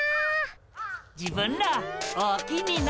自分らおおきにな。